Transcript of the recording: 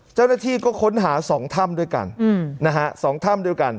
เจ้าหน้าที่ก็ค้นหา๒ถ้ำด้วยกันนะฮะ๒ถ้ำด้วยกัน